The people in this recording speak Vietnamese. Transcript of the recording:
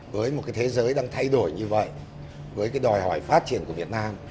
với một thế giới đang thay đổi như vậy với đòi hỏi phát triển của việt nam